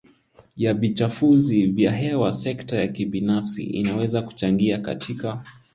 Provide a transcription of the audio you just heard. ya vichafuzi vya hewa Sekta ya kibinafsi inaweza kuchangia katika